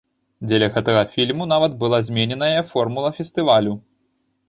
Дзеля гэтага фільму нават была змененая формула фестывалю.